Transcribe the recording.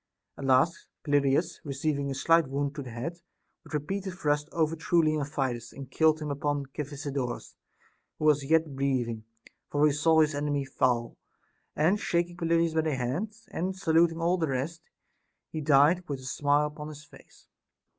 At last Pelopidas, receiving a slight wound in the head, with repeated thrusts overthrew Leontidas, and killed him upon Cephisodorus, who was yet breathing ; for he saw his enemy fall, and shaking Pelopidas by the hand, and saluting all the rest, he died with a. smile upon his face.